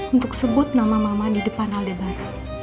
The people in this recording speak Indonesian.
untuk sebut nama mama di depan halde barang